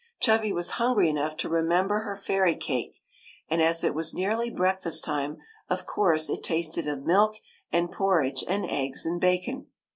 Chubby was hungry enough to remember her fairy cake ; and as it was nearly breakfast time, of course it tasted of milk and porridge and eggs and bacon.